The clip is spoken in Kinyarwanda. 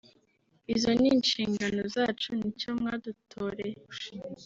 izo ni inshingano zacu nicyo mwadutoreye